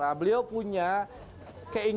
nah beliau punya keinginan